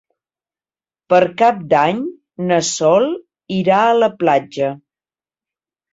Per Cap d'Any na Sol irà a la platja.